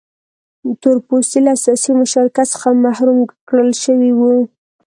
تور پوستي له سیاسي مشارکت څخه محروم کړل شوي وو.